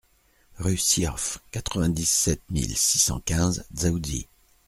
Rue Sirf, quatre-vingt-dix-sept mille six cent quinze Dzaoudzi